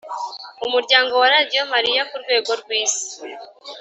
Umuryango wa Radio Maria ku rwego rw Isi